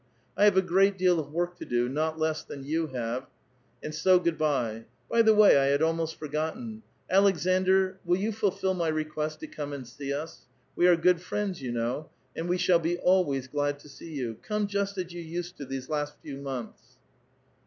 I have a great deal of ^ork to do, not less than you have, and so do sviddnya. By tUe way, I had almost forgotten ; Aleksandr will you fulfil my r^q^uest to come and see us ; we are good friends, you know ; *uci we shall be always glad to see you. Come just as you Dfcied to these last few months.